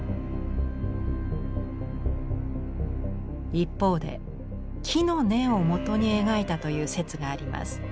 一方で木の根をもとに描いたという説があります。